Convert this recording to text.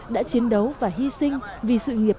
đã chiến đấu và hy sinh vì sự nghiệp